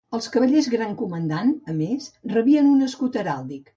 Els Cavallers Gran Comandant, a més, rebien un escut heràldic.